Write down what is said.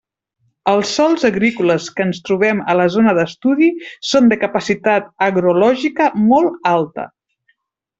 Els sòls agrícoles que ens trobem a la zona d'estudi són de capacitat agrològica molt alta.